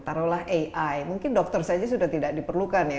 taruhlah ai mungkin dokter saja sudah tidak diperlukan ya